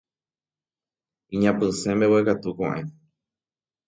Iñapysẽ mbeguekatu koʼẽ.